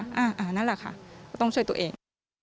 นั่นแหละค่ะก็ต้องช่วยตัวเอง